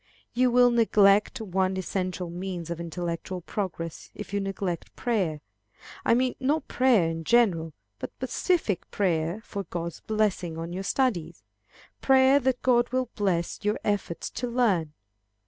You will neglect one essential means of intellectual progress, if you neglect prayer. I mean, not prayer in general, but specific prayer for God's blessing on your studies; prayer that God will bless your efforts to learn.